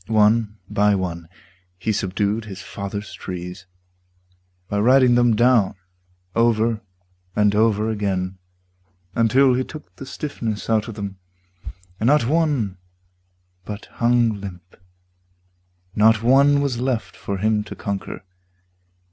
One by one he subdued his father's trees By riding them down over and over again Until he took the stiffness out of them, And not one but hung limp, not one was left For him to conquer.